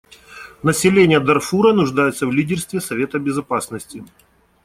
Население Дарфура нуждается в лидерстве Совета Безопасности.